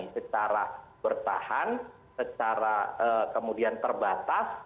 secara bertahan kemudian terbatas